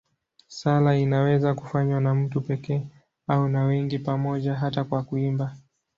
Sala inaweza kufanywa na mtu peke yake au na wengi pamoja, hata kwa kuimba.